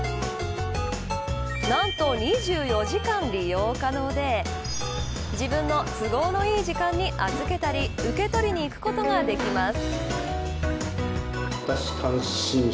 何と２４時間利用可能で自分の都合のいい時間に預けたり受け取りに行くことができます。